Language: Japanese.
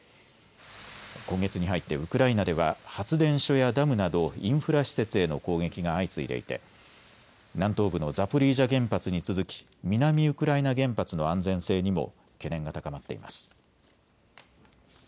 今月に入ってウクライナでは発電所やダムなどインフラ施設への攻撃が相次いでいて南東部のザポリージャ原発に続き南ウクライナ原発の安全性にも懸念が高まっています。